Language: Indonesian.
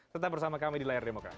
tetap bersama kami di layar demokrasi